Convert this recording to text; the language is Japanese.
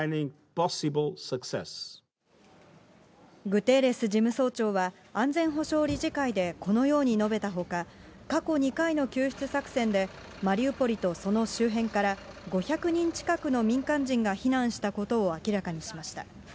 グテーレス事務総長は、安全保障理事会でこのように述べたほか、過去２回の救出作戦で、マリウポリとその周辺から、５００人近くの民間人が避難したことを明らかにしました。